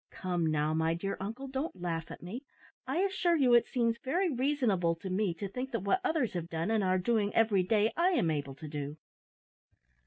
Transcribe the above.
"Come, now, my dear uncle, don't laugh at me. I assure you it seems very reasonable to me to think that what others have done, and are doing every day, I am able to do."